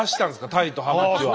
タイとハマチは。